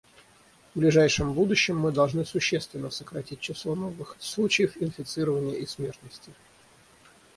В ближайшем будущем мы должны существенно сократить число новых случаев инфицирования и смертности.